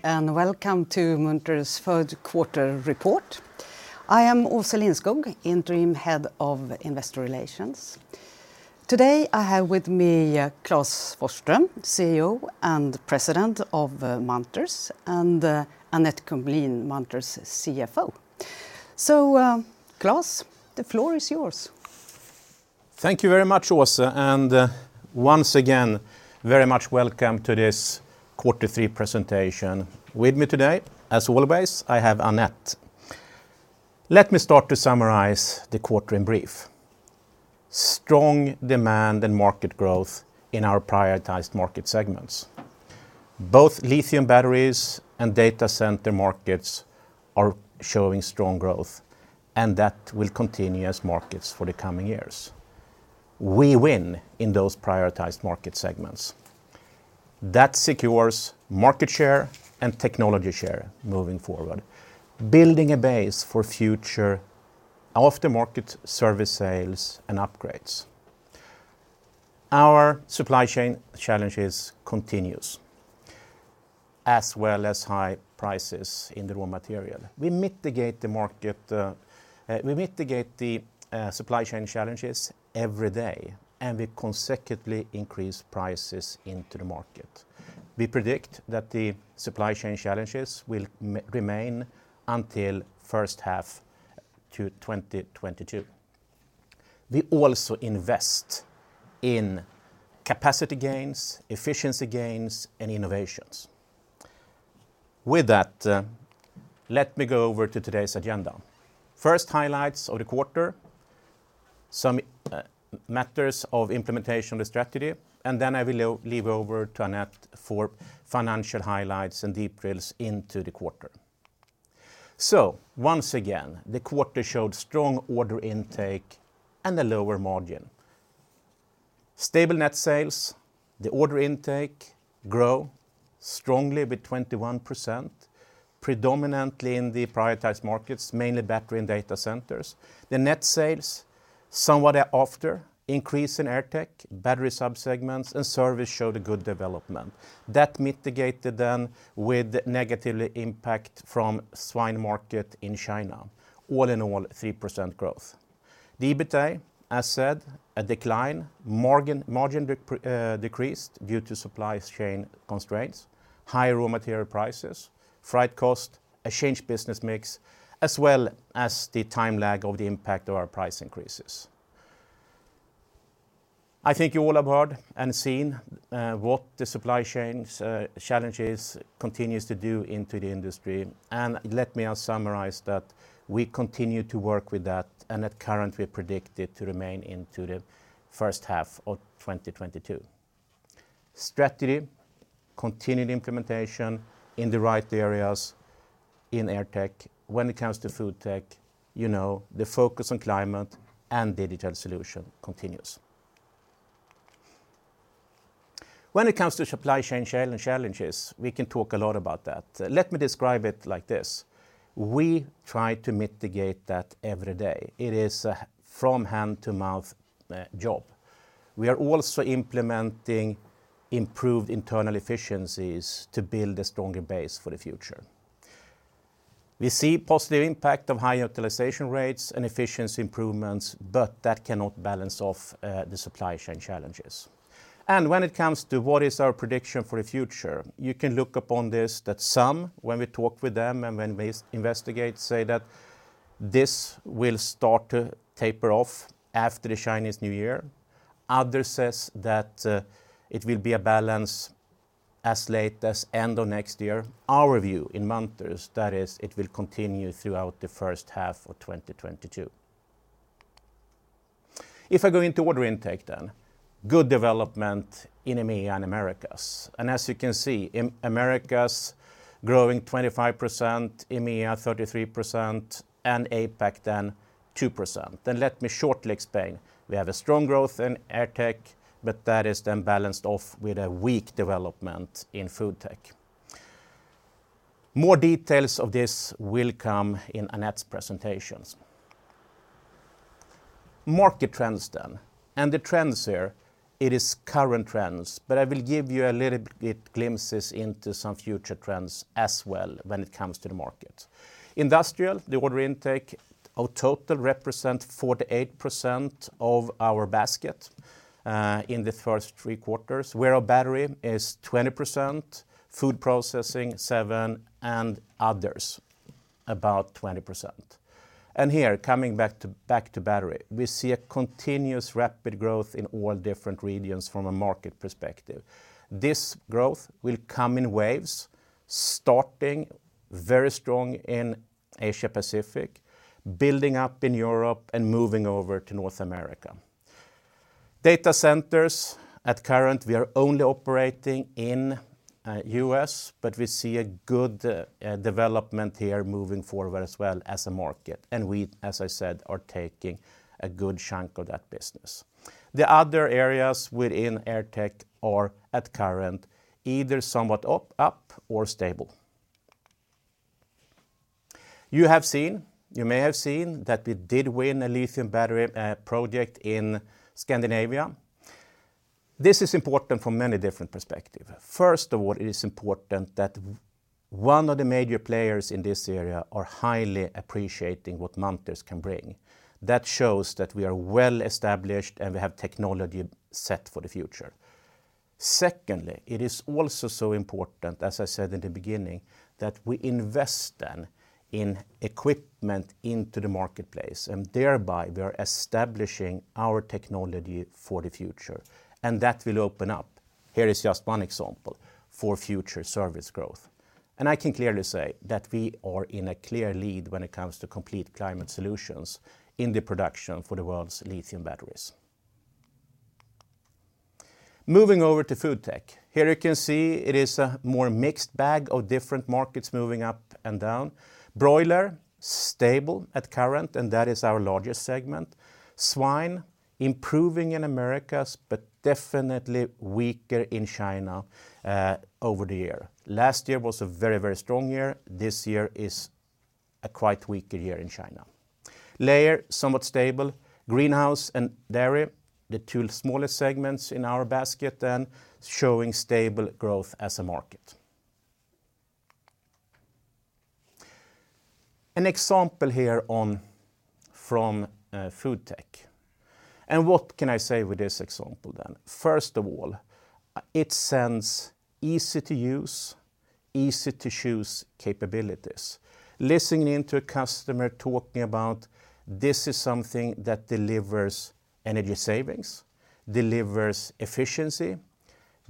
Good morning, and welcome to Munters Third Quarter Report. I am Åse Lindskog, Interim Head of Investor Relations. Today I have with me Klas Forsström, CEO and President of Munters, and Annette Kumlien, Munters' CFO. Klas, the floor is yours. Thank you very much, Åse, and once again, very much welcome to this Quarter Three Presentation. With me today, as always, I have Annette. Let me start to summarize the quarter in brief. Strong demand and market growth in our prioritized market segments. Both lithium batteries and data center markets are showing strong growth, and that will continue as markets for the coming years. We win in those prioritized market segments. That secures market share and technology share moving forward, building a base for future aftermarket service sales and upgrades. Our supply chain challenges continues, as well as high prices in the raw material. We mitigate the supply chain challenges every day, and we consequently increase prices into the market. We predict that the supply chain challenges will remain until first half to 2022. We also invest in capacity gains, efficiency gains, and innovations. With that, let me go over to today's agenda. First, highlights of the quarter, some matters of implementation of the strategy, and then I will leave over to Annette for financial highlights and deep drills into the quarter. Once again, the quarter showed strong order intake and a lower margin. Stable net sales. The order intake grow strongly with 21%, predominantly in the prioritized markets, mainly battery and data centers. The net sales, somewhat after increase in AirTech battery subsegments and service showed a good development. That mitigated then with negative impact from swine market in China. All in all, 3% growth. The EBITA, as said, a decline. Margin decreased due to supply chain constraints, high raw material prices, freight cost, exchange business mix, as well as the time lag of the impact of our price increases. I think you all have heard and seen what the supply chains challenges continues to do into the industry, and let me summarize that we continue to work with that, and at current, we predict it to remain into the first half of 2022. Strategy, continued implementation in the right areas in AirTech. When it comes to FoodTech, the focus on climate and digital solution continues. When it comes to supply chain challenges, we can talk a lot about that. Let me describe it like this. We try to mitigate that every day. It is a from hand to mouth job. We are also implementing improved internal efficiencies to build a stronger base for the future. We see positive impact of high utilization rates and efficiency improvements, but that cannot balance off the supply chain challenges. When it comes to what is our prediction for the future, you can look upon this, that some, when we talk with them and when we investigate, say that this will start to taper off after the Chinese New Year. Others says that it will be a balance as late as end of next year. Our view in Munters, that is, it will continue throughout the first half of 2022. If I go into order intake, then, good development in EMEA and Americas, and as you can see, Americas growing 25%, EMEA 33%, and APAC, then, 2%. Let me shortly explain. We have a strong growth in AirTech, but that is then balanced off with a weak development in FoodTech. More details of this will come in Annette's presentations. Market trends, then, and the trends here, it is current trends, but I will give you a little bit glimpses into some future trends as well when it comes to the market. Industrial, the order intake of total represent 48% of our basket, in the first three quarters, where our battery is 20%, food processing seven, and others, about 20%. Here, coming back to battery, we see a continuous rapid growth in all different regions from a market perspective. This growth will come in waves, starting very strong in Asia Pacific, building up in Europe, and moving over to North America. Data centers, at current, we are only operating in U.S., but we see a good development here moving forward as well as a market, and we, as I said, are taking a good chunk of that business. The other areas within AirTech are at current, either somewhat up or stable. You may have seen that we did win a lithium battery project in Scandinavia. This is important from many different perspectives. First of all, it is important that one of the major players in this area are highly appreciating what Munters can bring. That shows that we are well-established and we have technology set for the future. Secondly, it is also so important, as I said in the beginning, that we invest in equipment into the marketplace, thereby we are establishing our technology for the future, that will open up. Here is just one example for future service growth. I can clearly say that we are in a clear lead when it comes to complete climate solutions in the production for the world's lithium batteries. Moving over to FoodTech. Here you can see it is a more mixed bag of different markets moving up and down. Broiler, stable at current, and that is our largest segment. Swine, improving in Americas, but definitely weaker in China over the year. Last year was a very strong year. This year is a quite weaker year in China. Layer, somewhat stable. Greenhouse and dairy, the two smallest segments in our basket, showing stable growth as a market. An example here from FoodTech. What can I say with this example then? First of all, it sends easy to use, easy to choose capabilities. Listening into a customer talking about this is something that delivers energy savings, delivers efficiency,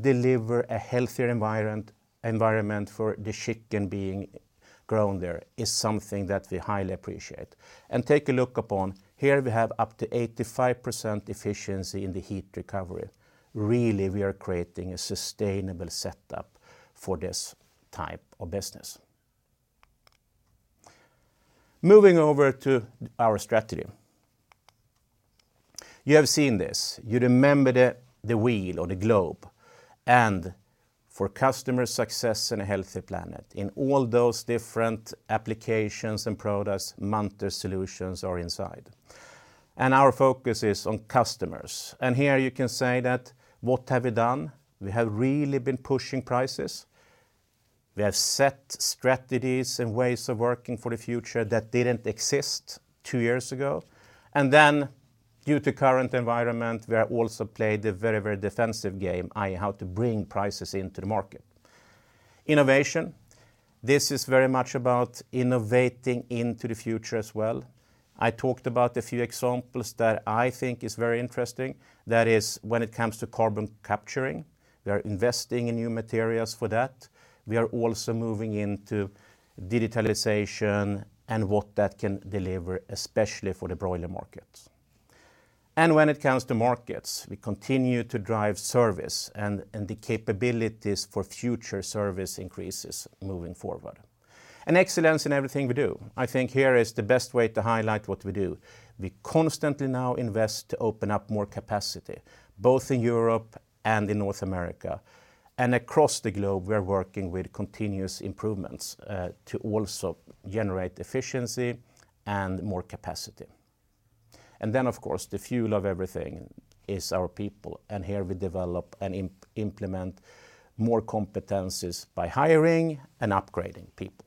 deliver a healthier environment for the chicken being grown there, is something that we highly appreciate. Take a look upon, here we have up to 85% efficiency in the heat recovery. Really, we are creating a sustainable setup for this type of business. Moving over to our strategy. You have seen this, you remember the wheel or the globe. For customer success and a healthy planet in all those different applications and products, Munters solutions are inside. Our focus is on customers. Here you can say that, what have we done? We have really been pushing prices. We have set strategies and ways of working for the future that didn't exist two years ago. Due to current environment, we are also played a very defensive game, how to bring prices into the market. Innovation. This is very much about innovating into the future as well. I talked about a few examples that I think is very interesting. That is when it comes to carbon capturing, we are investing in new materials for that. We are also moving into digitalization and what that can deliver, especially for the broiler markets. When it comes to markets, we continue to drive service and the capabilities for future service increases moving forward. Excellence in everything we do. I think here is the best way to highlight what we do. We constantly now invest to open up more capacity, both in Europe and in North America. Across the globe, we are working with continuous improvements, to also generate efficiency and more capacity. Of course, the fuel of everything is our people. Here we develop and implement more competencies by hiring and upgrading people.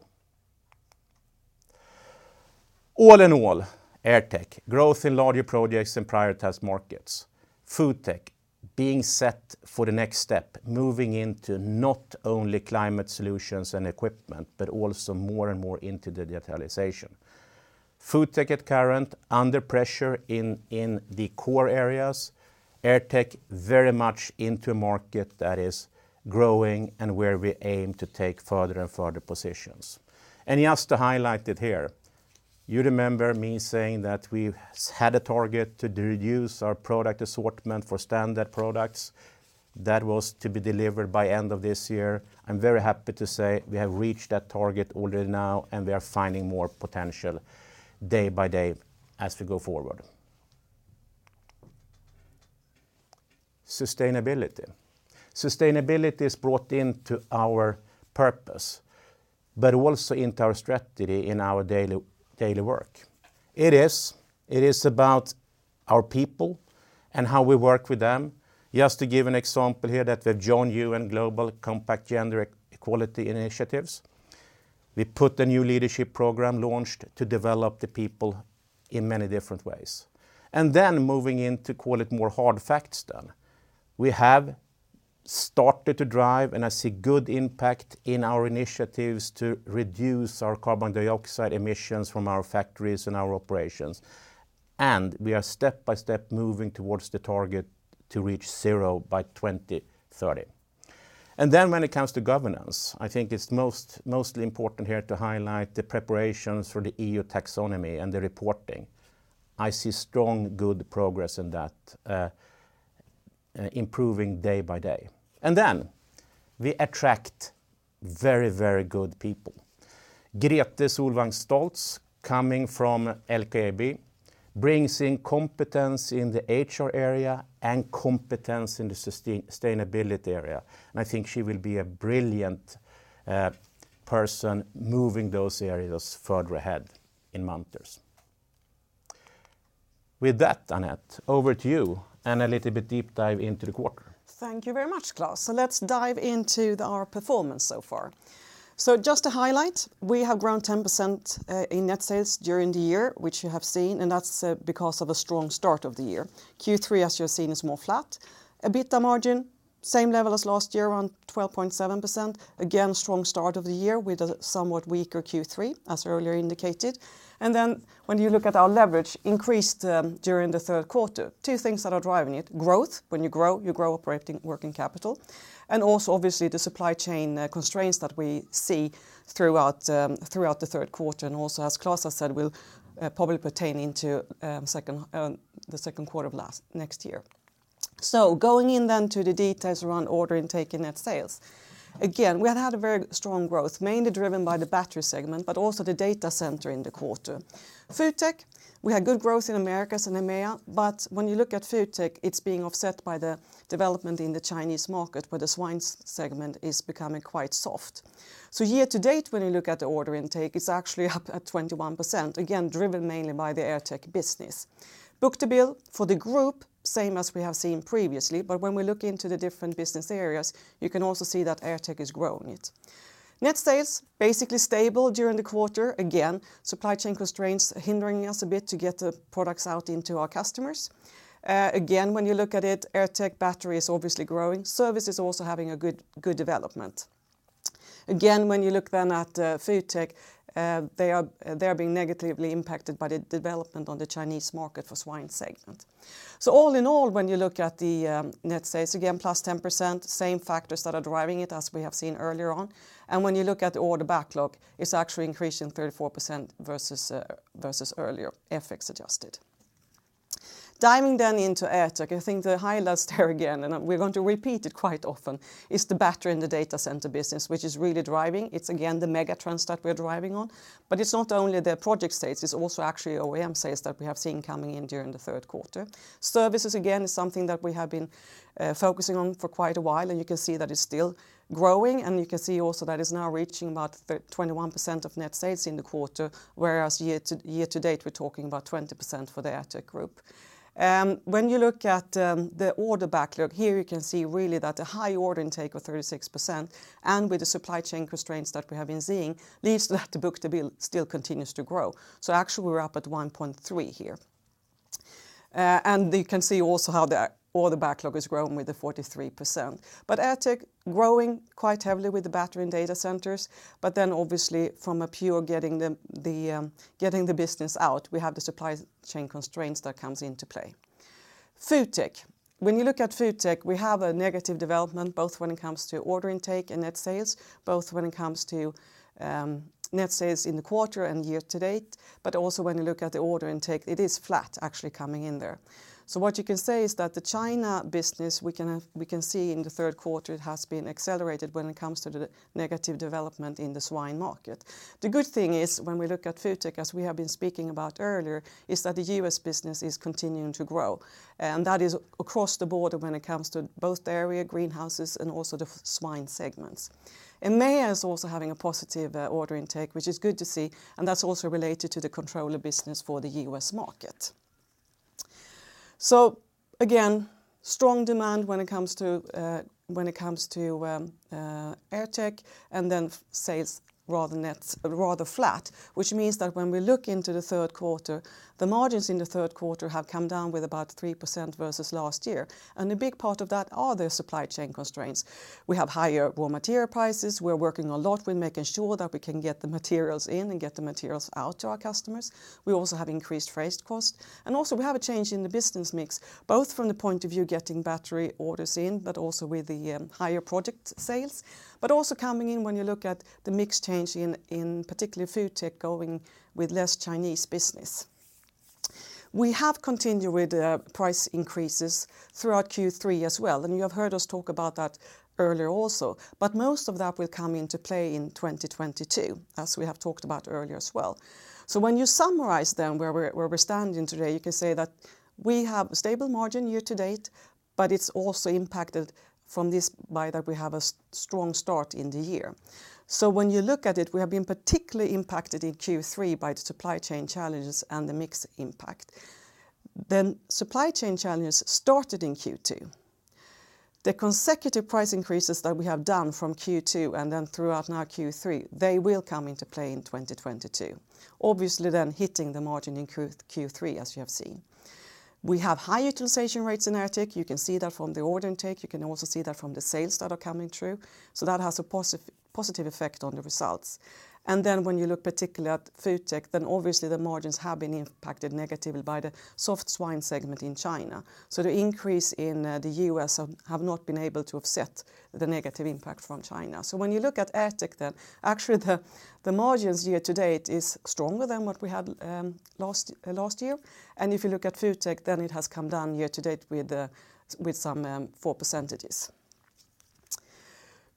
All in all, AirTech, growth in larger projects and prioritized markets. FoodTech, being set for the next step, moving into not only climate solutions and equipment, but also more and more into digitalization. FoodTech at current, under pressure in the core areas. AirTech, very much into a market that is growing and where we aim to take further and further positions. Just to highlight it here, you remember me saying that we've had a target to reduce our product assortment for standard products. That was to be delivered by end of this year. I'm very happy to say we have reached that target already now, and we are finding more potential day by day as we go forward. Sustainability. Sustainability is brought into our purpose, but also into our strategy in our daily work. It is about our people and how we work with them. Just to give an example here that we've joined UN Global Compact Gender Equality initiatives. We put a new leadership program launched to develop the people in many different ways. Moving into, call it more hard facts. We have started to drive, and I see good impact in our initiatives to reduce our carbon dioxide emissions from our factories and our operations. We are step by step moving towards the target to reach zero by 2030. When it comes to governance, I think it's mostly important here to highlight the preparations for the EU taxonomy and the reporting. I see strong, good progress in that, improving day by day. We attract very good people. Grete Solvang Stoltz, coming from LKAB, brings in competence in the HR area and competence in the sustainability area. I think she will be a brilliant person moving those areas further ahead in Munters. With that, Annette, over to you, and a little bit deep dive into the quarter. Thank you very much, Klas. Let's dive into our performance so far. Just to highlight, we have grown 10% in net sales during the year, which you have seen, and that's because of a strong start of the year. Q3, as you have seen, is more flat. EBITDA margin, same level as last year, around 12.7%. Again, strong start of the year with a somewhat weaker Q3, as earlier indicated. When you look at our leverage increased during the third quarter. Two things that are driving it, growth, when you grow, you grow operating working capital, and also obviously the supply chain constraints that we see throughout the third quarter and also, as Klas has said, will probably pertain into the second quarter of next year. Going in to the details around order intake and net sales. Again, we have had a very strong growth, mainly driven by the battery segment, but also the data center in the quarter. FoodTech, we had good growth in Americas and EMEA, but when you look at FoodTech, it's being offset by the development in the Chinese market where the swine segment is becoming quite soft. Year to date, when you look at the order intake, it's actually up at 21%, again, driven mainly by the AirTech business. Book-to-bill for the group, same as we have seen previously, but when we look into the different business areas, you can also see that AirTech is growing it. Net sales, basically stable during the quarter. Again, supply chain constraints hindering us a bit to get the products out into our customers. Again, when you look at it, AirTech battery is obviously growing. Service is also having a good development. When you look then at FoodTech, they are being negatively impacted by the development on the Chinese market for swine segment. All in all, when you look at the net sales, again +10%, same factors that are driving it as we have seen earlier on. When you look at the order backlog, it's actually increasing 34% versus earlier, FX adjusted. Diving then into AirTech, I think the highlights there again, and we're going to repeat it quite often, is the battery in the data center business, which is really driving. It's again the mega trends that we're driving on. It's not only the project sales, it's also actually OEM sales that we have seen coming in during the third quarter. Services, again, is something that we have been focusing on for quite a while, and you can see that it's still growing, and you can see also that it's now reaching about 21% of net sales in the quarter, whereas year to date, we're talking about 20% for the AirTech group. When you look at the order backlog, here you can see really that a high order intake of 36%, and with the supply chain constraints that we have been seeing, leads to that the book-to-bill still continues to grow. Actually, we're up at 1.3 here. You can see also how the order backlog has grown with the 43%. AirTech growing quite heavily with the battery and data centers, but then obviously from a pure getting the business out, we have the supply chain constraints that comes into play. FoodTech. When you look at FoodTech, we have a negative development, both when it comes to order intake and net sales, both when it comes to net sales in the quarter and year to date, but also when you look at the order intake, it is flat actually coming in there. What you can say is that the China business, we can see in the third quarter, it has been accelerated when it comes to the negative development in the swine market. The good thing is, when we look at FoodTech, as we have been speaking about earlier, is that the U.S. business is continuing to grow. That is across the board when it comes to both the area greenhouses and also the swine segments. EMEA is also having a positive order intake, which is good to see, and that's also related to the controller business for the U.S. market. Again, strong demand when it comes to AirTech, and then sales rather flat, which means that when we look into the third quarter, the margins in the third quarter have come down with about 3% versus last year. A big part of that are the supply chain constraints. We have higher raw material prices. We're working a lot with making sure that we can get the materials in and get the materials out to our customers. We also have increased freight cost. Also we have a change in the business mix, both from the point of view getting battery orders in, but also with the higher project sales. Also coming in when you look at the mix change in particular FoodTech going with less Chinese business. We have continued with price increases throughout Q3 as well, and you have heard us talk about that earlier also. Most of that will come into play in 2022, as we have talked about earlier as well. When you summarize then where we're standing today, you can say that we have a stable margin year to date, but it's also impacted from this by that we have a strong start in the year. When you look at it, we have been particularly impacted in Q3 by the supply chain challenges and the mix impact. Supply chain challenges started in Q2. The consecutive price increases that we have done from Q2 and then throughout now Q3, they will come into play in 2022, obviously then hitting the margin in Q3, as you have seen. We have high utilization rates in AirTech. You can see that from the order intake. You can also see that from the sales that are coming through. That has a positive effect on the results. When you look particularly at FoodTech, then obviously the margins have been impacted negatively by the soft swine segment in China. The increase in the U.S. have not been able to offset the negative impact from China. When you look at AirTech then, actually the margins year-to-date is stronger than what we had last year. If you look at FoodTech, then it has come down year to date with some 4%.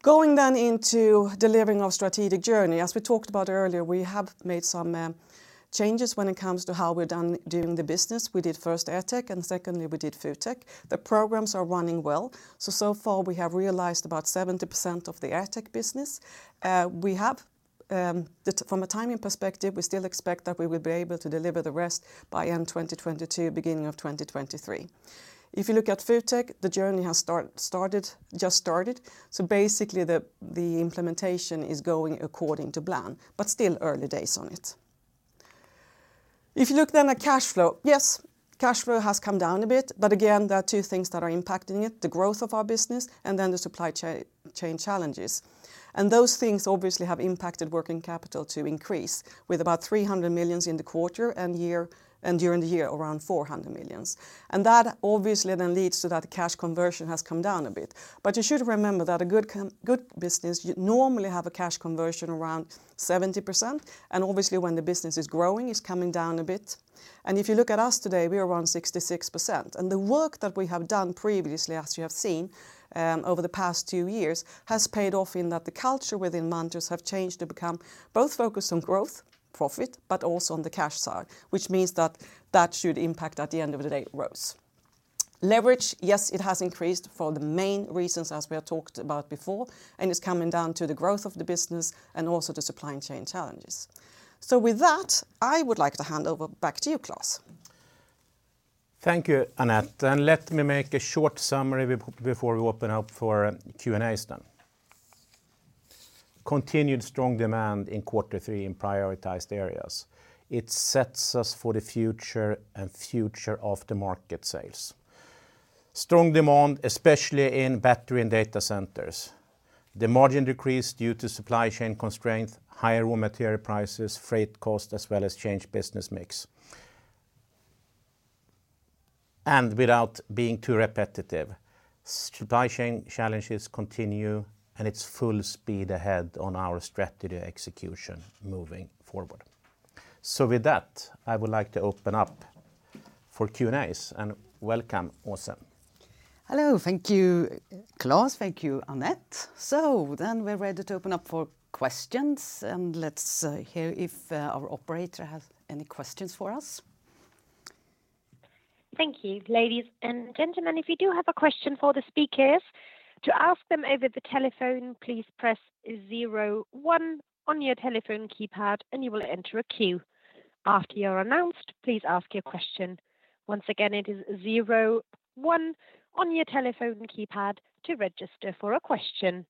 Going then into delivering our strategic journey, as we talked about earlier, we have made some changes when it comes to how we're doing the business. We did first AirTech, and secondly, we did FoodTech. The programs are running well. So far, we have realized about 70% of the AirTech business. From a timing perspective, we still expect that we will be able to deliver the rest by end 2022, beginning of 2023. If you look at FoodTech, the journey has just started, so basically, the implementation is going according to plan, but still early days on it. If you look at cash flow, yes, cash flow has come down a bit, but again, there are two things that are impacting it, the growth of our business and then the supply chain challenges. Those things obviously have impacted working capital to increase with about 300 million in the quarter and during the year, around 400 million. That obviously then leads to that cash conversion has come down a bit. You should remember that a good business normally have a cash conversion around 70%. Obviously, when the business is growing, it is coming down a bit. If you look at us today, we are around 66%. The work that we have done previously, as you have seen, over the past two years, has paid off in that the culture within Munters have changed to become both focused on growth, profit, but also on the cash side, which means that that should impact, at the end of the day, growth. Leverage, yes, it has increased for the main reasons as we have talked about before, and it's coming down to the growth of the business and also the supply chain challenges. With that, I would like to hand over back to you, Klas. Thank you, Annette. Let me make a short summary before we open up for Q&As then. Continued strong demand in Q3 in prioritized areas. It sets us for the future and future of the market sales. Strong demand, especially in battery and data centers. The margin decreased due to supply chain constraints, higher raw material prices, freight cost, as well as changed business mix. Without being too repetitive, supply chain challenges continue, and it's full speed ahead on our strategy execution moving forward. With that, I would like to open up for Q&As, and welcome, Åse. Hello. Thank you, Klas. Thank you, Annette. We're ready to open up for questions, and let's hear if our operator has any questions for us. Thank you. Ladies and gentlemen, if you do have a question for the speakers, to ask them over the telephone, please press zero one on your telephone keypad and you will enter a queue. After you are announced, please ask your question. Once again, it is zero one on your telephone keypad to register for a question.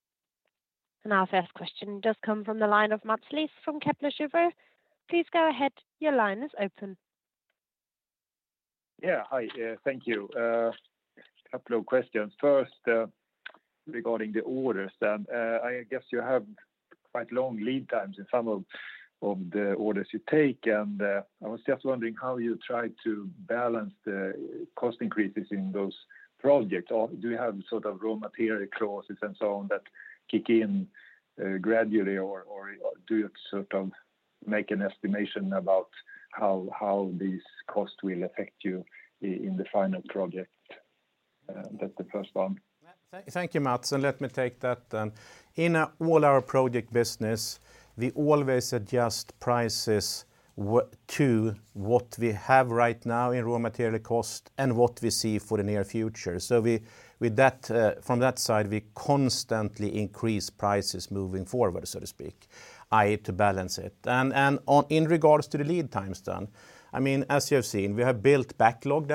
Our first question does come from the line of Mats Liss from Kepler Cheuvreux. Yeah. Hi, thank you. A couple of questions. First, regarding the orders, I guess you have quite long lead times in some of the orders you take, and I was just wondering how you try to balance the cost increases in those projects. Do you have raw material clauses and so on that kick in gradually, or do you make an estimation about how these costs will affect you in the final project? That's the first one. Thank you, Mats. Let me take that. In all our project business, we always adjust prices to what we have right now in raw material cost and what we see for the near future. From that side, we constantly increase prices moving forward, so to speak, i.e., to balance it. In regards to the lead times, as you have seen, we have built backlog.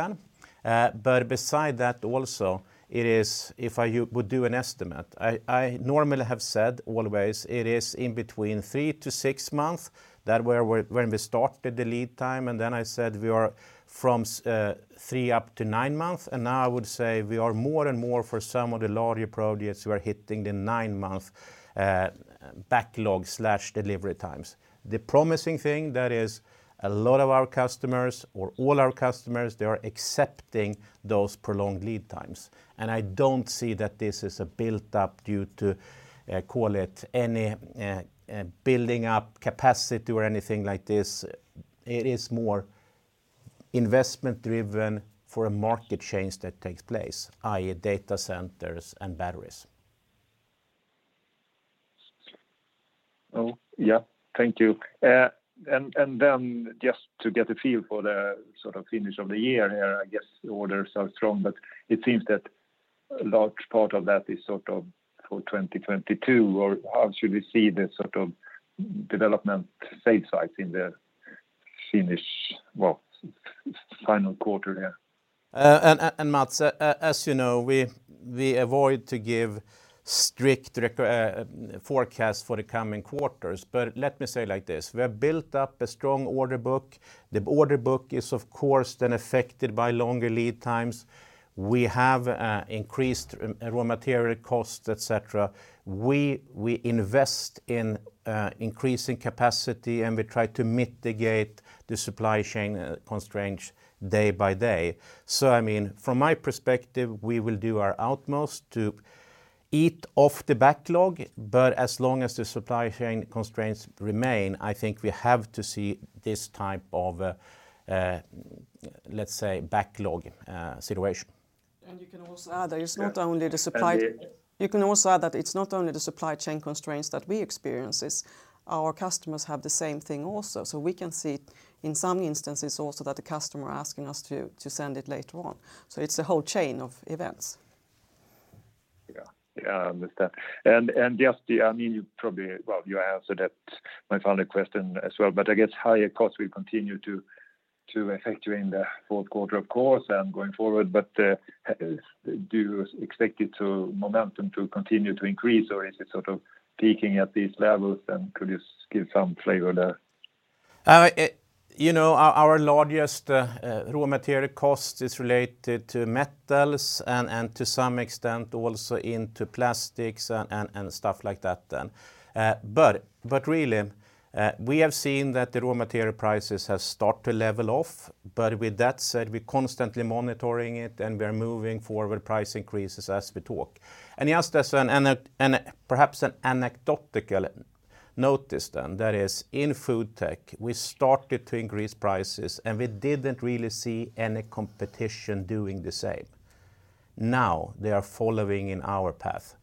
Besides that also, if I would do an estimate, I normally have said always it is in between three to six months. That where when we started the lead time, then I said we are from three up to nine months, now I would say we are more and more for some of the larger projects, we are hitting the nine-month backlog/delivery times. The promising thing, that is a lot of our customers, or all our customers, they are accepting those prolonged lead times. I don't see that this is a built up due to, call it, any building up capacity or anything like this. It is more investment driven for a market change that takes place, i.e., data centers and batteries. Oh. Yeah. Thank you. Just to get a feel for the finish of the year here, I guess orders are strong, but it seems that a large part of that is for 2022, or how should we see the development safe side in the finish, well, final quarter here? Mats, as you know, we avoid to give strict forecasts for the coming quarters. Let me say like this, we have built up a strong order book. The order book is, of course, then affected by longer lead times. We have increased raw material costs, et cetera. We invest in increasing capacity, and we try to mitigate the supply chain constraints day by day. So, I mean, from my perspective, we will do our utmost to eat off the backlog. As long as the supply chain constraints remain, I think we have to see this type of, let's say, backlog situation. You can also add that it's not only the supply chain constraints that we experience, it's our customers have the same thing also. We can see in some instances also that the customer asking us to send it later on. It's a whole chain of events. Yeah. I understand. Just, you probably, well, you answered that, my final question as well, but I guess higher costs will continue to affect you in the fourth quarter, of course, and going forward. Do you expect momentum to continue to increase, or is it sort of peaking at these levels, and could you give some flavor there? Our largest raw material cost is related to metals and to some extent also into plastics and stuff like that then. Really, we have seen that the raw material prices have start to level off. With that said, we're constantly monitoring it, and we're moving forward price increases as we talk. Just as perhaps an anecdotal notice then, that is in FoodTech, we started to increase prices, and we didn't really see any competition doing the same. Now, they are following in our path.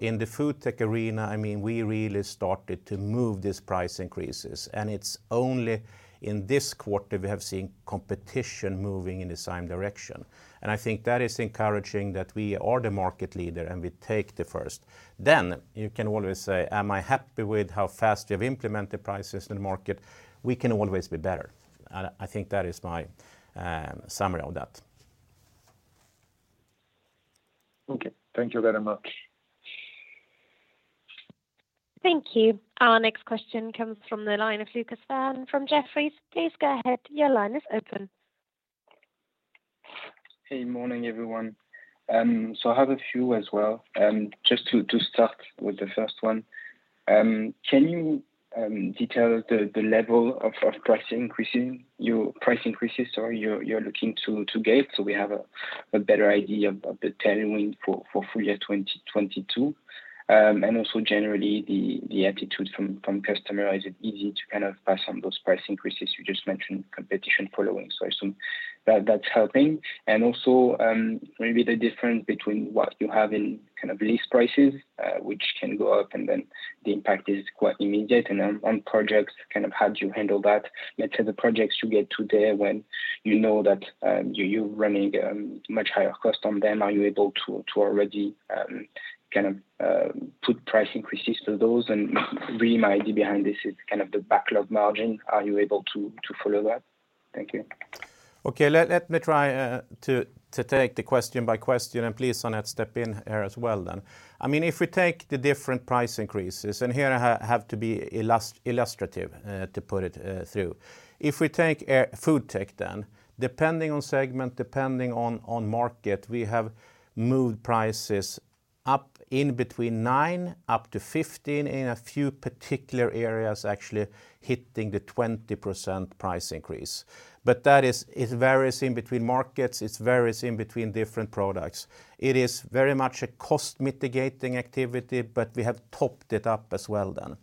In the FoodTech arena, we really started to move these price increases, and it's only in this quarter we have seen competition moving in the same direction. I think that is encouraging that we are the market leader, and we take the first. You can always say, am I happy with how fast we have implemented prices in the market? We can always be better. I think that is my summary of that. Okay. Thank you very much. Thank you. Our next question comes from the line of Lucas Ferhani from Jefferies. Please go ahead. Your line is open. Hey, morning, everyone. I have a few as well. Just to start with the first one, can you detail the level of price increases you're looking to give so we have a better idea of the tailwind for full year 2022? Generally, the attitude from customer, is it easy to kind of pass on those price increases? You just mentioned competition following, I assume that's helping. Maybe the difference between what you have in kind of list prices, which can go up, then the impact is quite immediate, and on projects, kind of how do you handle that? Let's say the projects you get today, when you know that you're running much higher cost on them, are you able to already kind of put price increases to those? Really, my idea behind this is kind of the backlog margin. Are you able to follow that? Thank you. Okay. Let me try to take the question by question, and please, Annette, step in here as well then. If we take the different price increases, and here I have to be illustrative to put it through. If we take FoodTech then, depending on segment, depending on market, we have moved prices up in between 9% up to 15%, in a few particular areas, actually hitting the 20% price increase. That, it varies in between markets. It varies in between different products. It is very much a cost-mitigating activity, but we have topped it up as well then.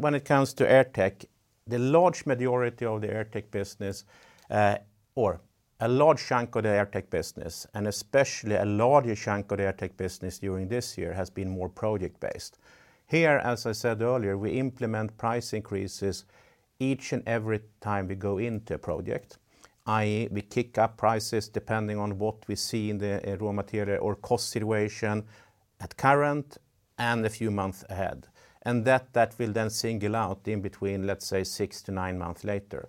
When it comes to AirTech, the large majority of the AirTech business, or a large chunk of the AirTech business, and especially a larger chunk of the AirTech business during this year, has been more project-based. Here, as I said earlier, we implement price increases each and every time we go into a project, i.e., we kick up prices depending on what we see in the raw material or cost situation at current and a few months ahead. That will then single out in between, let's say, six to 9 months later.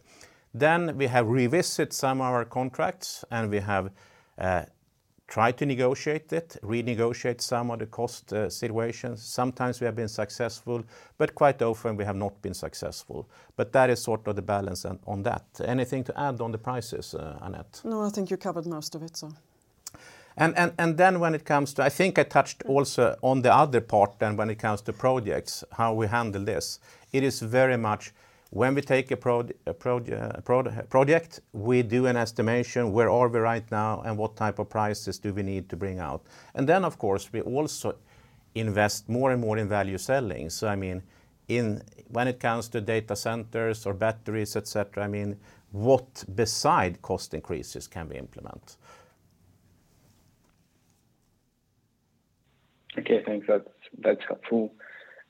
We have revisit some of our contracts, and we have tried to negotiate it, renegotiate some of the cost situations. Sometimes we have been successful, but quite often we have not been successful. That is sort of the balance on that. Anything to add on the prices, Annette? No, I think you covered most of it. When it comes to, I think I touched also on the other part then when it comes to projects, how we handle this. It is very much when we take a project, we do an estimation, where are we right now, and what type of prices do we need to bring out? Of course, we also invest more and more in value selling. When it comes to data centers or batteries, et cetera, what beside cost increases can we implement? Okay, I think that's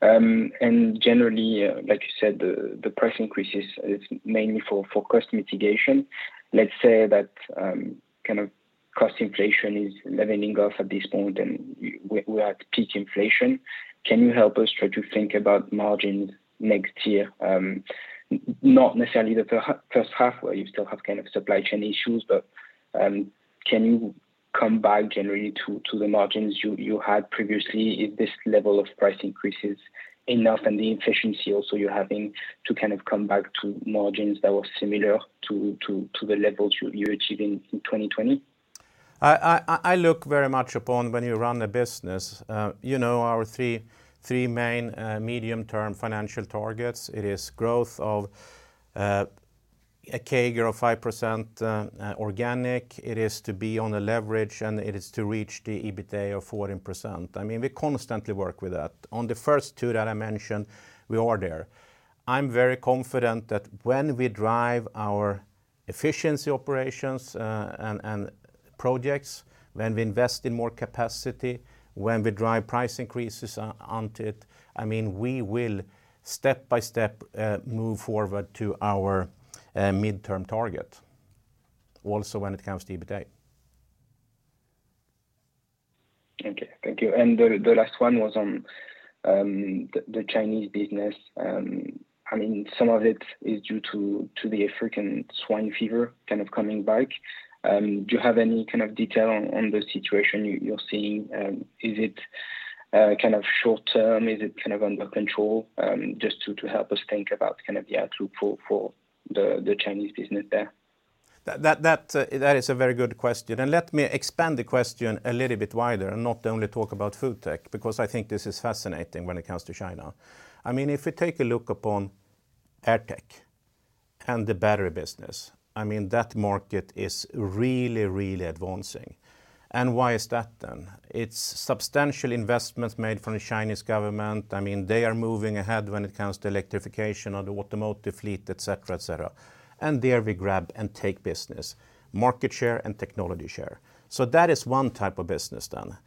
helpful. Generally, like you said, the price increases is mainly for cost mitigation. Let's say that kind of cost inflation is leveling off at this point, and we're at peak inflation. Can you help us try to think about margins next year? Not necessarily the first half, where you still have kind of supply chain issues, but can you come back generally to the margins you had previously if this level of price increase is enough, and the efficiency also you're having to kind of come back to margins that were similar to the levels you're achieving in 2020? I look very much upon when you run a business, our three main medium-term financial targets, it is growth of a CAGR of 5% organic, it is to be on a leverage, and it is to reach the EBITA of 14%. We constantly work with that. On the first two that I mentioned, we are there. I'm very confident that when we drive our efficiency operations and projects, when we invest in more capacity, when we drive price increases onto it, we will step by step move forward to our midterm target also when it comes to EBITDA. Okay. Thank you. The last one was on the Chinese business. Some of it is due to the African swine fever coming back. Do you have any detail on the situation you're seeing? Is it short-term? Is it under control? Just to help us think about the outlook for the Chinese business there. That is a very good question. Let me expand the question a little bit wider and not only talk about FoodTech, because I think this is fascinating when it comes to China. If you take a look upon AirTech and the battery business, that market is really advancing. Why is that then? It's substantial investments made from the Chinese government. They are moving ahead when it comes to electrification of the automotive fleet, et cetera. There we grab and take business, market share, and technology share. That is one type of business then.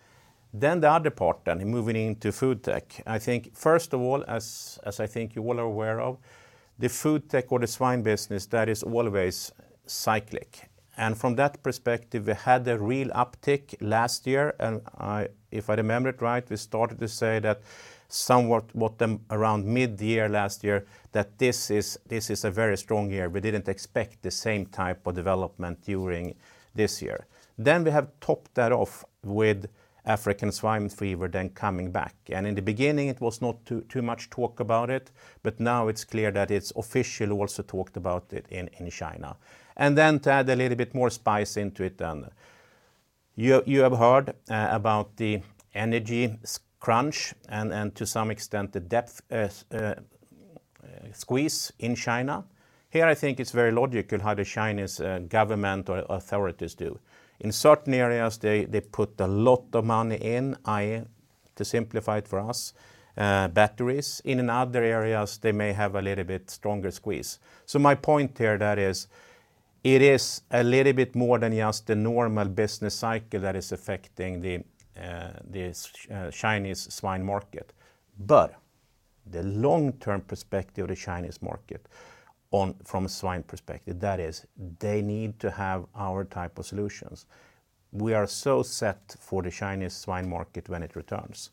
The other part then, moving into FoodTech. I think, first of all, as I think you all are aware of, the FoodTech or the swine business, that is always cyclic. From that perspective, we had a real uptick last year, and if I remember it right, we started to say that somewhat around mid-year last year that this is a very strong year. We didn't expect the same type of development during this year. We have topped that off with African swine fever then coming back. In the beginning, it was not too much talk about it, but now it's clear that it's officially also talked about in China. To add a little bit more spice into it then, you have heard about the energy crunch and to some extent the debt squeeze in China. Here, I think it's very logical how the Chinese government or authorities do. In certain areas, they put a lot of money in, to simplify it for us, batteries. In other areas, they may have a little bit stronger squeeze. My point here that is, it is a little bit more than just the normal business cycle that is affecting the Chinese swine market. The long-term perspective of the Chinese market from a swine perspective, that is, they need to have our type of solutions. We are so set for the Chinese swine market when it returns.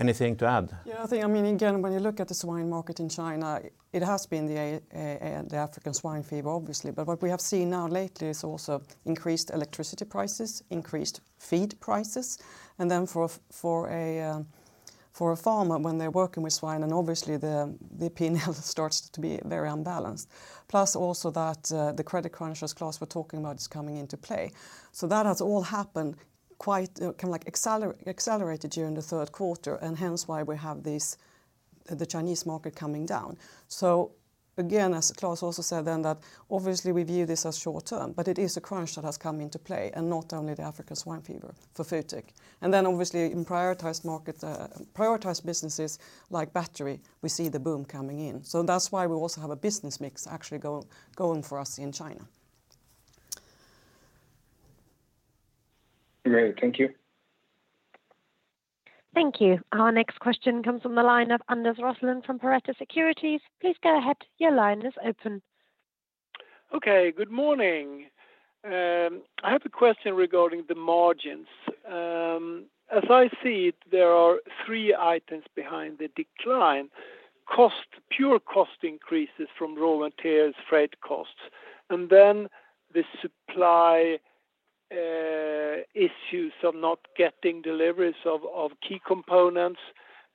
Anything to add? Yeah, I think, again, when you look at the swine market in China, it has been the African swine fever, obviously. What we have seen now lately is also increased electricity prices, increased feed prices, and then for a farmer, when they're working with swine and obviously the P&L starts to be very unbalanced. Plus also that the credit crunch we're talking about is coming into play. That has all happened, kind of accelerated during the third quarter, and hence why we have the Chinese market coming down. Again, as Klas also said then that obviously we view this as short-term, but it is a crunch that has come into play, and not only the African swine fever for FoodTech. Obviously in prioritized businesses like battery, we see the boom coming in. That's why we also have a business mix actually going for us in China. Great. Thank you. Thank you. Our next question comes from the line of Anders Roslund from Pareto Securities. Please go ahead, your line is open. Okay. Good morning. I have a question regarding the margins. As I see it, there are three items behind the decline. Pure cost increases from raw materials, freight costs, and then the supply issues of not getting deliveries of key components.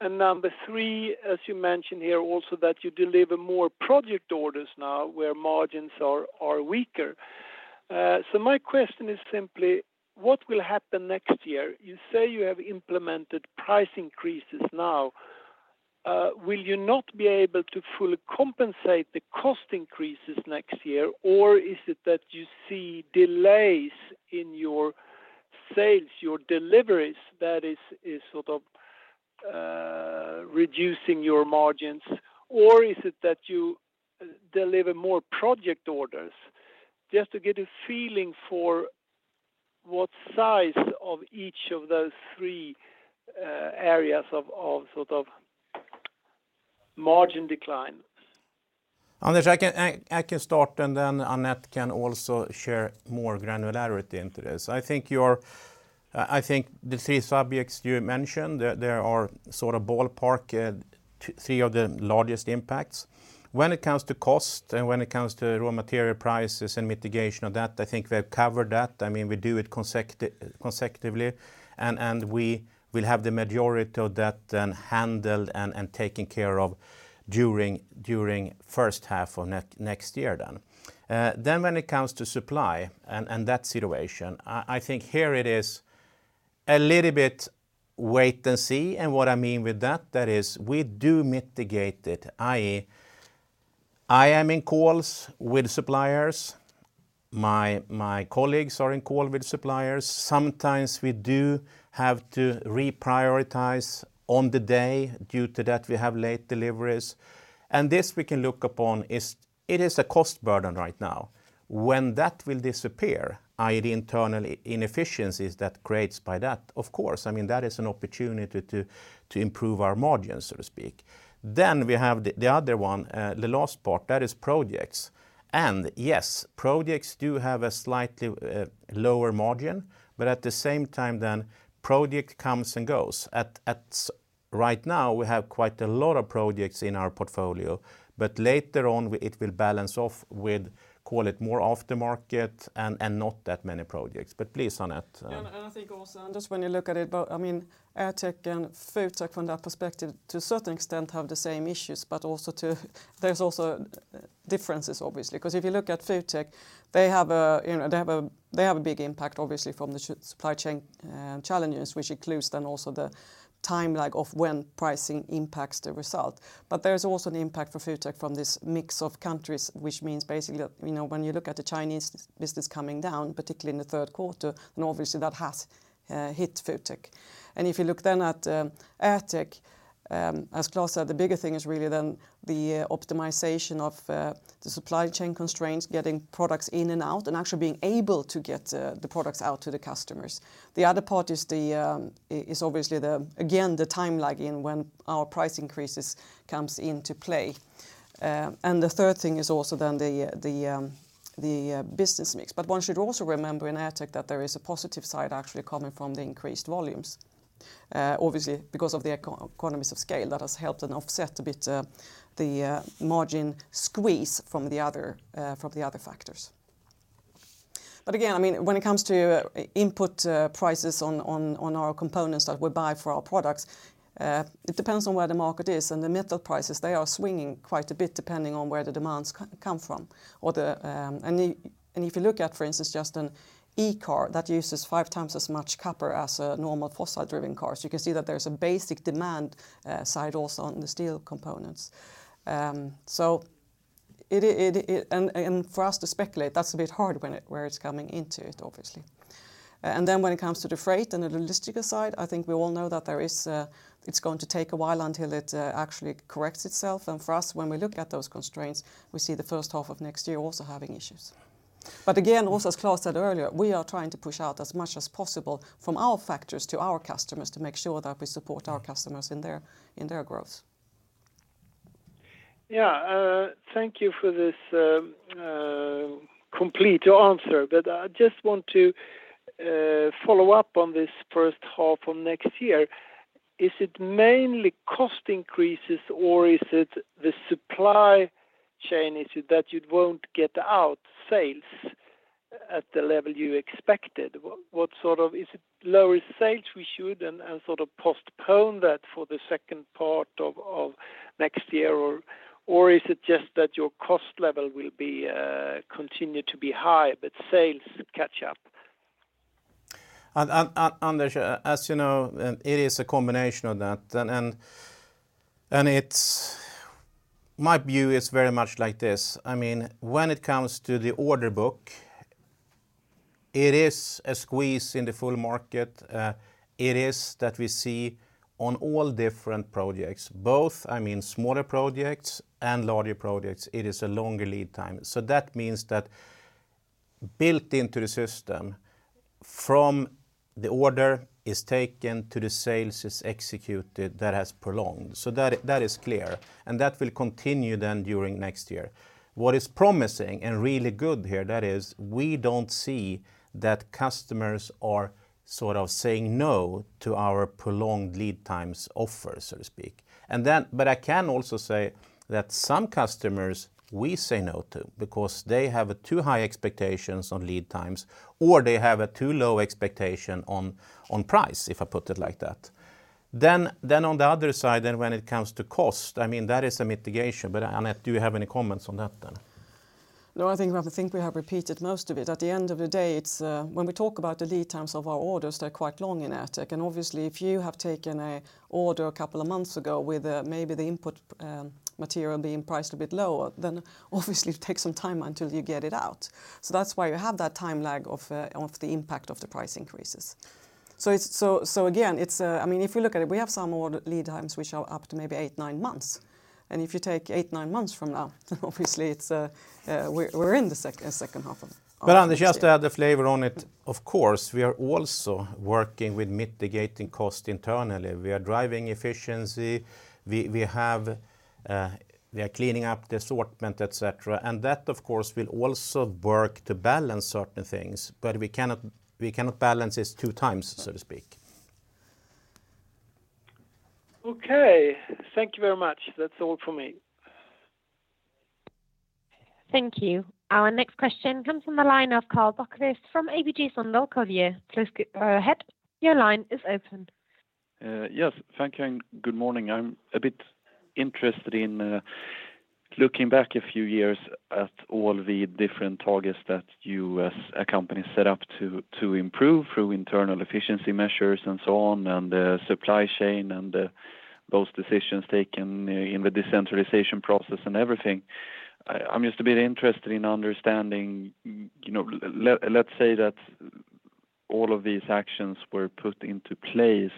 Number three, as you mentioned here also that you deliver more project orders now where margins are weaker. My question is simply what will happen next year? You say you have implemented price increases now. Will you not be able to fully compensate the cost increases next year, or is it that you see delays in your sales, your deliveries, that is sort of reducing your margins, or is it that you deliver more project orders? Just to get a feeling for what size of each of those three areas of margin decline. Anders, I can start, and then Annette can also share more granularity into this. I think the three subjects you mentioned there are sort of ballpark three of the largest impacts. When it comes to cost and when it comes to raw material prices and mitigation of that, I think we have covered that. We do it consecutively, and we will have the majority of that then handled and taken care of during first half of next year then. When it comes to supply and that situation, I think here it is a little bit wait and see. What I mean with that is, we do mitigate it, i.e., I am in calls with suppliers. My colleagues are in call with suppliers. Sometimes we do have to reprioritize on the day due to that we have late deliveries. This we can look upon, it is a cost burden right now. When that will disappear, i.e., internal inefficiencies that creates by that, of course, that is an opportunity to improve our margins, so to speak. We have the other one, the last part, that is projects. Yes, projects do have a slightly lower margin, but at the same time, then project comes and goes. Right now, we have quite a lot of projects in our portfolio, but later on, it will balance off with, call it, more off the market and not that many projects. Please, Annette. I think also, Anders, when you look at it, AirTech and FoodTech from that perspective, to a certain extent, have the same issues, but there's also differences, obviously. Because if you look at FoodTech, they have a big impact, obviously, from the supply chain challenges, which includes then also the time lag of when pricing impacts the result. There's also an impact for FoodTech from this mix of countries, which means basically, when you look at the Chinese business coming down, particularly in the third quarter, and obviously that has hit FoodTech. If you look then at AirTech, as Klas said, the bigger thing is really then the optimization of the supply chain constraints, getting products in and out, and actually being able to get the products out to the customers. The other part is obviously, again, the time lag in when our price increases comes into play. The third thing is also the business mix. One should also remember in AirTech that there is a positive side actually coming from the increased volumes. Obviously, because of the economies of scale, that has helped and offset a bit the margin squeeze from the other factors. Again, when it comes to input prices on our components that we buy for our products, it depends on where the market is, and the metal prices, they are swinging quite a bit depending on where the demands come from. If you look at, for instance, just an e-car, that uses five times as much copper as a normal fossil-driven car. You can see that there's a basic demand side also on the steel components. For us to speculate, that's a bit hard where it's coming into it, obviously. When it comes to the freight and the logistical side, I think we all know that it's going to take a while until it actually corrects itself. For us, when we look at those constraints, we see the first half of next year also having issues. Again, also as Klas said earlier, we are trying to push out as much as possible from our factories to our customers to make sure that we support our customers in their growth. Yeah. Thank you for this complete answer. I just want to follow up on this first half of next year. Is it mainly cost increases or is it the supply chain issue that you won't get out sales at the level you expected? Is it lower sales we should and sort of postpone that for the second part of next year? Is it just that your cost level will continue to be high, but sales catch up? Anders, as you know, it is a combination of that. My view is very much like this. When it comes to the order book, it is a squeeze in the full market. It is that we see on all different projects, both smaller projects and larger projects, it is a longer lead time. That means that built into the system from the order is taken to the sales is executed, that has prolonged. That is clear, and that will continue then during next year. What is promising and really good here, that is, we don't see that customers are saying no to our prolonged lead times offer, so to speak. I can also say that some customers we say no to because they have too high expectations on lead times, or they have a too low expectation on price, if I put it like that. On the other side, when it comes to cost, that is a mitigation. Annette, do you have any comments on that then? No, I think we have repeated most of it. At the end of the day, when we talk about the lead times of our orders, they're quite long in AirTech. Obviously, if you have taken a order a couple of months ago with maybe the input material being priced a bit lower, then obviously it takes some time until you get it out. That's why you have that time lag of the impact of the price increases. Again, if you look at it, we have some lead times which are up to maybe eight, nine months. If you take eight, nine months from now, obviously we're in the second half of next year. Anders, just to add the flavor on it, of course, we are also working with mitigating cost internally. We are driving efficiency. We are cleaning up the assortment, et cetera. That, of course, will also work to balance certain things, but we cannot balance this two times, so to speak. Okay. Thank you very much. That's all from me. Thank you. Our next question comes from the line of Karl Bokvist from ABG Sundal Collier. Please go ahead. Your line is open. Yes. Thank you, and good morning. I'm a bit interested in looking back a few years at all the different targets that you as a company set up to improve through internal efficiency measures and so on, and the supply chain and those decisions taken in the decentralization process and everything. I'm just a bit interested in understanding, let's say that all of these actions were put into place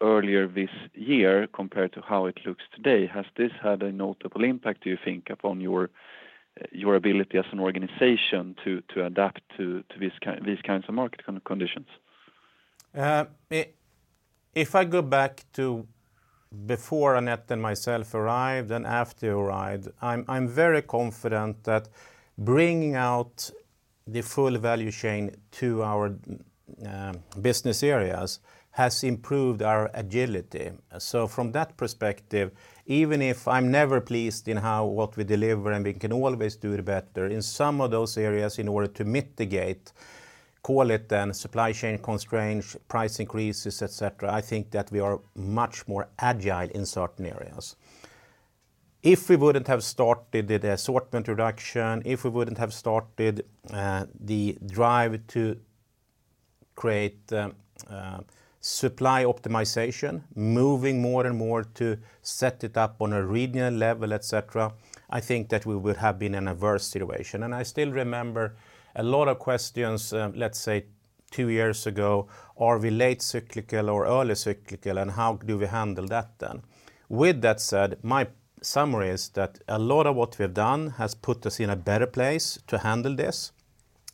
earlier this year compared to how it looks today. Has this had a notable impact, do you think, upon your ability as an organization to adapt to these kinds of market conditions? If I go back to before Annette and myself arrived and after we arrived, I'm very confident that bringing out the full value chain to our business areas has improved our agility. From that perspective, even if I'm never pleased in what we deliver, and we can always do it better. In some of those areas in order to mitigate, call it then supply chain constraints, price increases, et cetera, I think that we are much more agile in certain areas. If we wouldn't have started the assortment reduction, if we wouldn't have started the drive to create supply optimization, moving more and more to set it up on a regional level, et cetera, I think that we would have been in a worse situation. I still remember a lot of questions, let's say two years ago, are we late cyclical or early cyclical, and how do we handle that then? With that said, my summary is that a lot of what we've done has put us in a better place to handle this.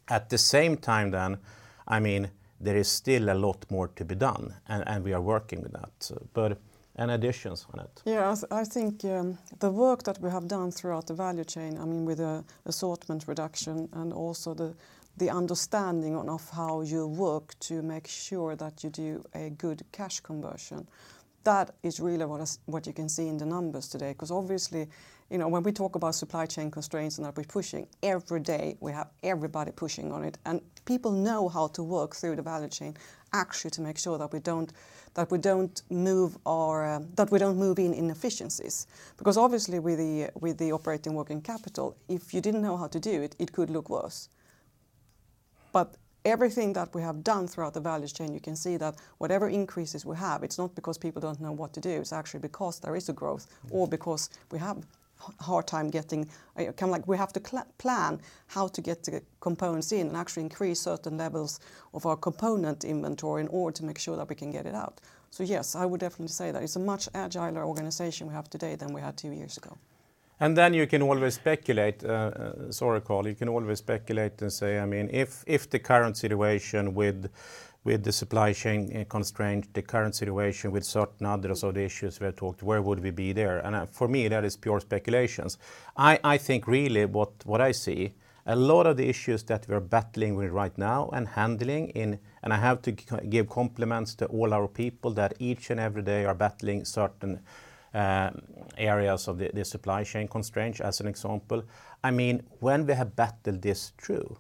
At the same time, there is still a lot more to be done, and we are working on that, but, any additions on it. Yes. I think the work that we have done throughout the value chain with the assortment reduction and also the understanding of how you work to make sure that you do a good cash conversion, that is really what you can see in the numbers today. Obviously, when we talk about supply chain constraints and that we're pushing every day, we have everybody pushing on it, and people know how to work through the value chain actually to make sure that we don't move in inefficiencies. Obviously with the operating working capital, if you didn't know how to do it could look worse. Everything that we have done throughout the value chain, you can see that whatever increases we have, it's not because people don't know what to do, it's actually because there is a growth or because we have a hard time. We have to plan how to get the components in and actually increase certain levels of our component inventory in order to make sure that we can get it out. Yes, I would definitely say that it's a much agiler organization we have today than we had two years ago. You can always speculate, sorry Karl, you can always speculate and say, if the current situation with the supply chain constraint, the current situation with certain other sort of issues we have talked, where would we be there? For me, that is pure speculations. I think really what I see, a lot of the issues that we're battling with right now and handling, and I have to give compliments to all our people that each and every day are battling certain areas of the supply chain constraints, as an example. When we have battled this through,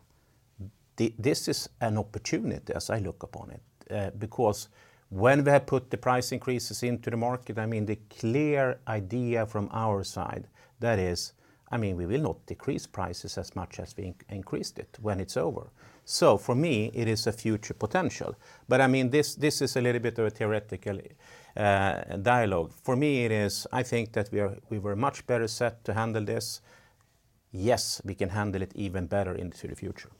this is an opportunity as I look upon it. When we have put the price increases into the market, the clear idea from our side, that is, we will not decrease prices as much as we increased it when it's over. For me, it is a future potential. This is a little bit of a theoretical dialogue. For me it is, I think that we were much better set to handle this. Yes, we can handle it even better into the future.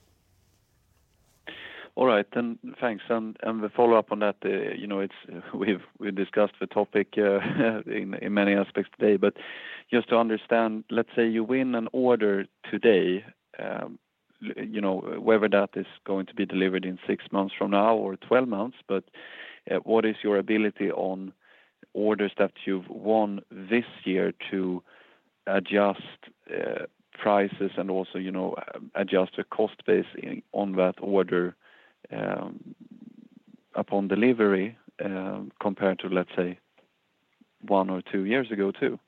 All right. Thanks. The follow-up on that, we've discussed the topic in many aspects today. Just to understand, let's say you win an order today, whether that is going to be delivered in six months from now or 12 months, but what is your ability on orders that you've won this year to adjust prices and also adjust the cost base on that order upon delivery, compared to, let's say, one or two years ago, too?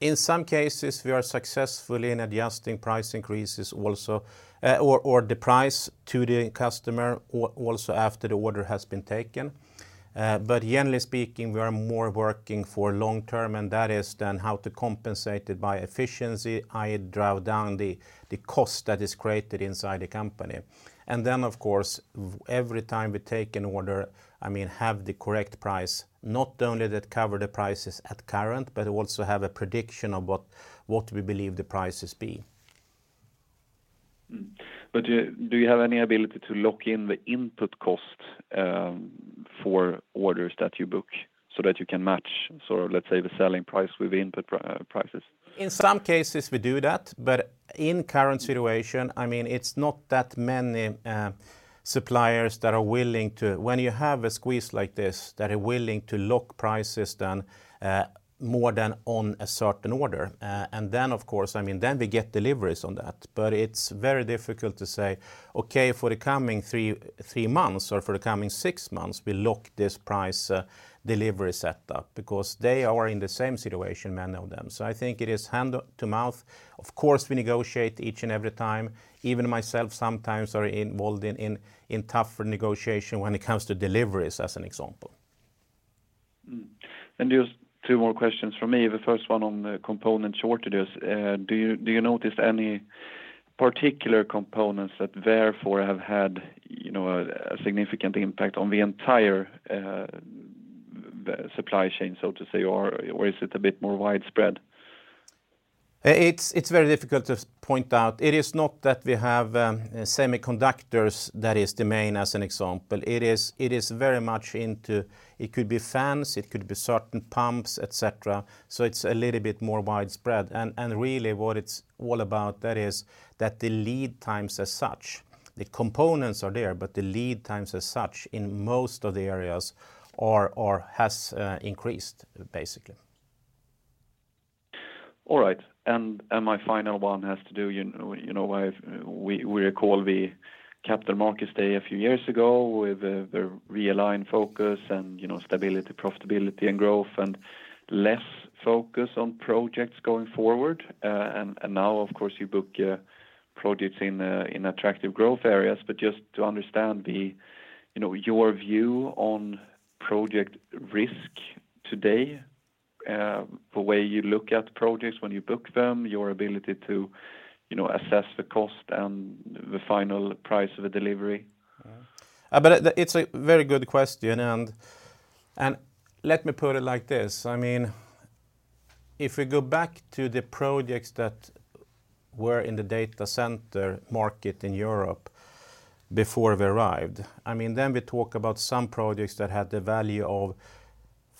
In some cases, we are successful in adjusting price increases also, or the price to the customer also after the order has been taken. Generally speaking, we are more working for long-term, and that is then how to compensate it by efficiency, i.e., drive down the cost that is created inside the company. Then, of course, every time we take an order, have the correct price, not only that cover the prices at current, but also have a prediction of what we believe the prices be. Do you have any ability to lock in the input cost for orders that you book so that you can match, let's say, the selling price with the input prices? In some cases we do that, in current situation, it's not that many suppliers that are willing to, when you have a squeeze like this, that are willing to lock prices then, more than on a certain order. Then, of course, then we get deliveries on that. It's very difficult to say, okay, for the coming three months or for the coming six months, we lock this price delivery setup because they are in the same situation, many of them. I think it is hand to mouth. Of course, we negotiate each and every time. Even myself sometimes are involved in tougher negotiation when it comes to deliveries, as an example. Just two more questions from me. The first one on the component shortages. Do you notice any particular components that therefore have had a significant impact on the entire supply chain, so to speak, or is it a bit more widespread? It's very difficult to point out. It is not that we have semiconductors that is the main, as an example. It is very much into, it could be fans, it could be certain pumps, et cetera. It's a little bit more widespread. Really what it's all about, that is that the lead times as such, the components are there, but the lead times as such in most of the areas has increased, basically. All right. My final one has to do with, we recall the capital markets day a few years ago with the realigned focus and stability, profitability, and growth, and less focus on projects going forward. Now of course you book projects in attractive growth areas, but just to understand your view on project risk today, the way you look at projects when you book them, your ability to assess the cost and the final price of a delivery. It's a very good question. Let me put it like this. If we go back to the projects that were in the data center market in Europe before we arrived, we talk about some projects that had the value of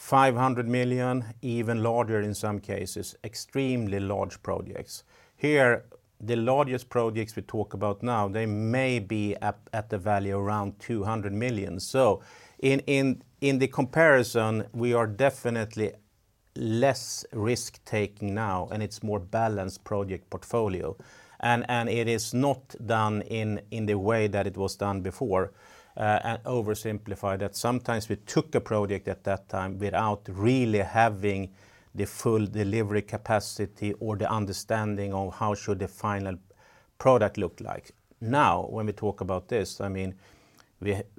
500 million, even larger in some cases, extremely large projects. Here, the largest projects we talk about now, they may be at a value around 200 million. In the comparison, we are definitely less risk-taking now, and it's a more balanced project portfolio. It is not done in the way that it was done before. Oversimplify that, sometimes we took a project at that time without really having the full delivery capacity or the understanding of how should the final product look like. Now, when we talk about this,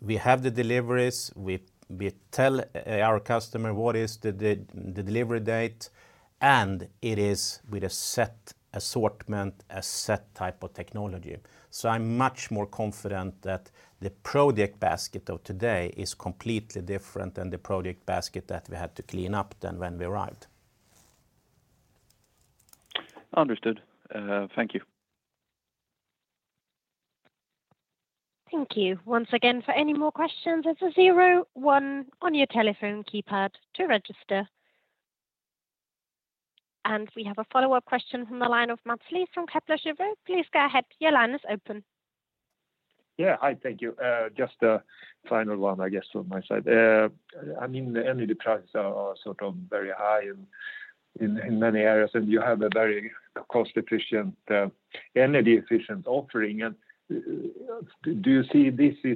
we have the deliveries, we tell our customer what is the delivery date, and it is with a set assortment, a set type of technology. I'm much more confident that the project basket of today is completely different than the project basket that we had to clean up then when we arrived. Understood. Thank you. Thank you. Once again, for any more questions, it's zero one on your telephone keypad to register. We have a follow-up question from the line of Mats Liss from Kepler Cheuvreux. Please go ahead. Your line is open. Yeah. Hi, thank you. Just a final one, I guess, from my side. The energy prices are very high in many areas, and you have a very cost-efficient, energy-efficient offering. This is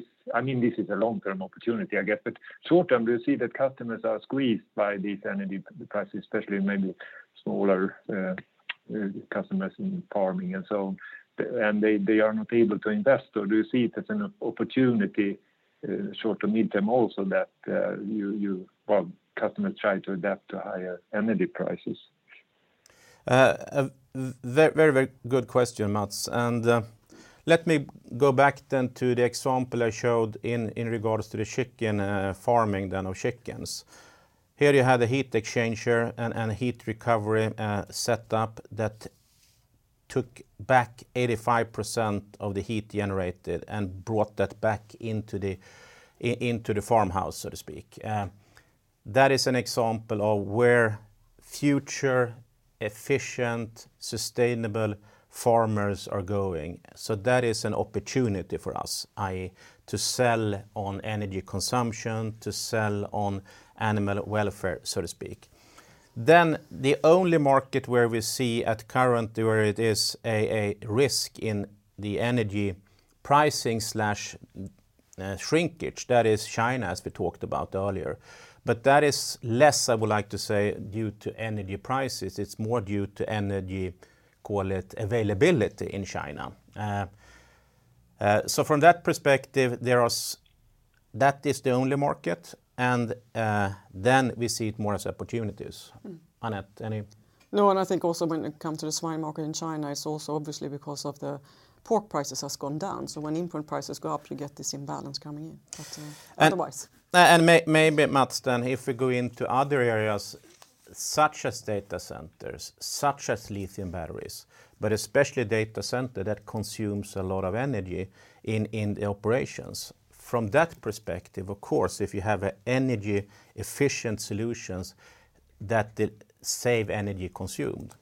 a long-term opportunity, I guess, but short-term, do you see that customers are squeezed by these energy prices, especially maybe smaller customers in farming and so on, and they are not able to invest? Do you see it as an opportunity, short to mid-term also that customers try to adapt to higher energy prices? Very good question, Mats. Let me go back then to the example I showed in regards to the chicken farming then of chickens. Here you have the heat exchanger and heat recovery setup that took back 85% of the heat generated and brought that back into the farmhouse, so to speak. That is an example of where future efficient, sustainable farmers are going. That is an opportunity for us, to sell on energy consumption, to sell on animal welfare, so to speak. The only market where we see at currently where it is a risk in the energy pricing/shrinkage, that is China, as we talked about earlier. That is less, I would like to say, due to energy prices. It's more due to energy, call it, availability in China. From that perspective, that is the only market, we see it more as opportunities. Annette, any? No, I think also when it comes to the swine market in China, it is also obviously because of the pork prices has gone down. When input prices go up, you get this imbalance coming in. Maybe, Mats, then if we go into other areas such as data centers, such as lithium batteries, but especially data center, that consumes a lot of energy in the operations. From that perspective, of course, if you have energy-efficient solutions that save energy consumed,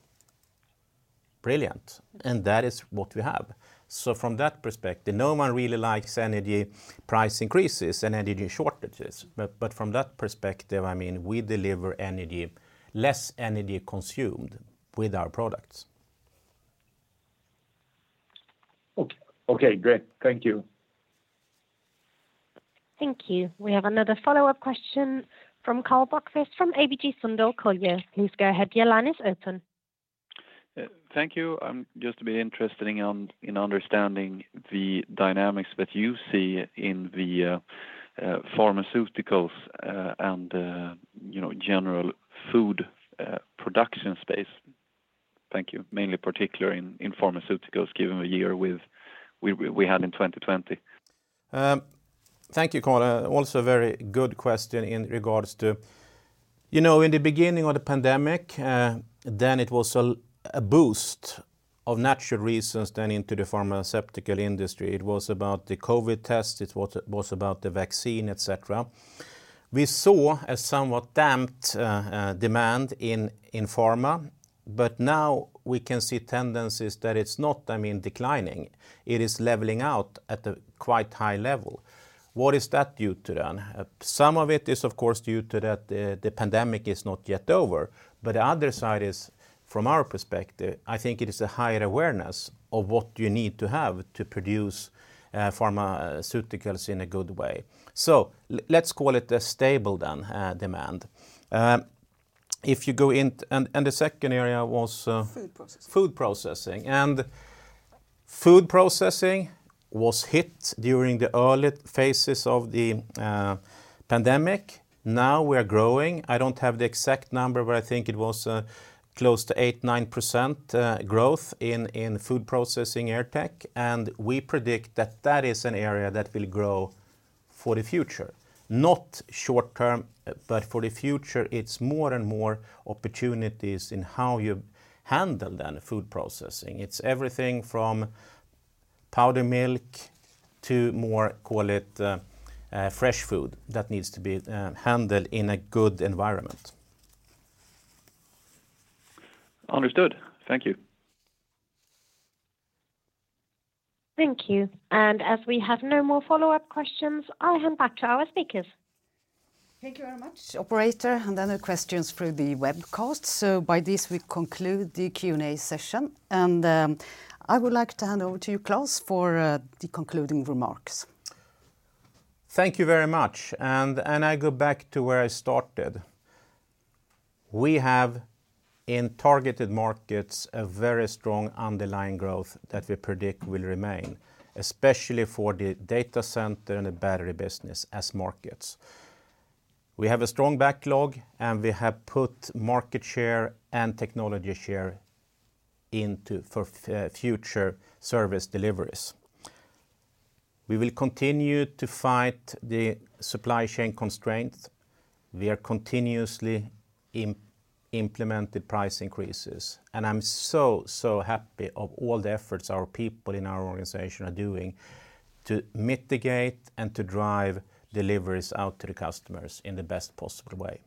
brilliant. That is what we have. From that perspective, no one really likes energy price increases and energy shortages. From that perspective, we deliver less energy consumed with our products. Okay, great. Thank you. Thank you. We have another follow-up question from Karl Bokvist from ABG Sundal Collier. Please go ahead. Your line is open. Thank you. I'm just a bit interested in understanding the dynamics that you see in the pharmaceuticals and general food production space. Thank you. Mainly particular in pharmaceuticals, given the year we had in 2020. Thank you, Karl. A very good question. In the beginning of the pandemic, then it was a boost of natural reasons then into the pharmaceutical industry. It was about the COVID test, it was about the vaccine, et cetera. We saw a somewhat damped demand in pharma, but now we can see tendencies that it's not declining. It is leveling out at a quite high level. What is that due to then? Some of it is of course due to that the pandemic is not yet over, but the other side is, from our perspective, I think it is a higher awareness of what you need to have to produce pharmaceuticals in a good way. Let's call it a stable demand. The second area was... Food processing Food processing was hit during the early phases of the pandemic. Now we are growing. I don't have the exact number, but I think it was close to 8%-9% growth in food processing AirTech, and we predict that that is an area that will grow for the future. Not short term, but for the future. It's more and more opportunities in how you handle food processing. It's everything from powder milk to more fresh food that needs to be handled in a good environment. Understood. Thank you. Thank you. As we have no more follow-up questions, I'll hand back to our speakers. Thank you very much, operator, and any questions through the webcast. By this we conclude the Q&A session. I would like to hand over to you, Klas, for the concluding remarks. Thank you very much. I go back to where I started. We have, in targeted markets, a very strong underlying growth that we predict will remain, especially for the data center and the battery business as markets. We have a strong backlog, and we have put market share and technology share in for future service deliveries. We will continue to fight the supply chain constraints. We are continuously implementing price increases, and I'm so happy of all the efforts our people in our organization are doing to mitigate and to drive deliveries out to the customers in the best possible way.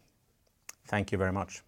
Thank you very much.